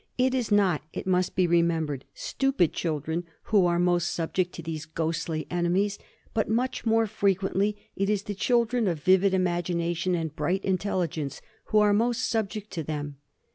It is not, it must be remembered, stupid children who are most subject to these "ghostly enemies," but much more frequently it is the children of vivid imagination and bright intelligence who are most subject to them.